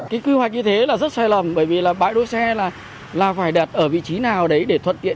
cái quy hoạch như thế là rất sai lầm bởi vì là bãi đỗ xe là phải đặt ở vị trí nào đấy để thuận tiện